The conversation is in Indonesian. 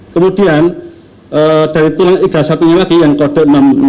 kemudian dari tulang iga satunya lagi yang kode enam puluh satu